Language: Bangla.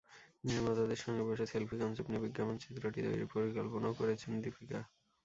নির্মাতাদের সঙ্গে বসে সেলফি কনসেপ্ট নিয়ে বিজ্ঞাপনচিত্রটি তৈরির পরিকল্পনাও করেছেন দীপিকা।